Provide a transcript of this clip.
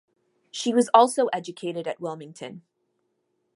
She was also educated at Wilmington.